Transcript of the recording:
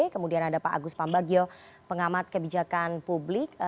kemudian ada pak agus pambagio pengamat kebijakan publik